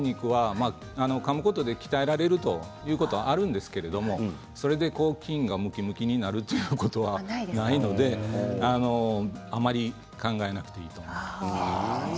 かむことで鍛えられるということはありますがそれで、むきむきになるということはないのであまり考えなくていいと思います。